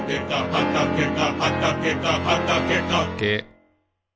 「はかけかはかけかはかけか」け。